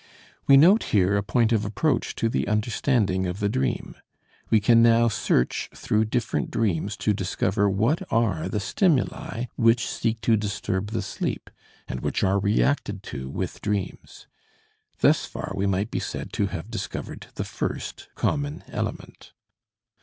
We note here a point of approach to the understanding of the dream. We can now search through different dreams to discover what are the stimuli which seek to disturb the sleep and which are reacted to with dreams. Thus far we might be said to have discovered the first common element.